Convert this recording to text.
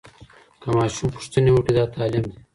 که ماشوم پوښتني وکړي دا تعليم دی.